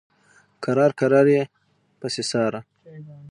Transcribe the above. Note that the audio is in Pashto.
کرار کرار یې پسې څاره.